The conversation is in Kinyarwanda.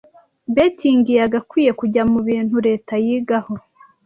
betting yagakwiye kujya mu bintu leta yigaho